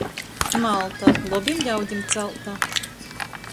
Malta - lobim ļaudim calta!...